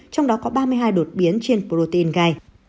trong đó có ba mươi hai đột biến trên protein gai